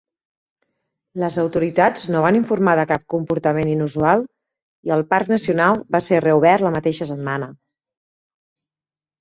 Les autoritats no van informar de cap comportament inusual i el parc nacional va ser reobert la mateixa setmana.